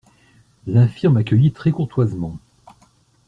L'infirme accueillit très courtoisement.